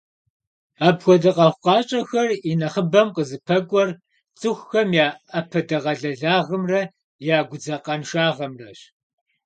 Апхуэдэ къэхъукъащӀэхэр и нэхъыбэм «къызыпэкӀуэр» цӀыхухэм я Ӏэпэдэгъэлэлагъымрэ я гудзакъэншагъэмрэщ.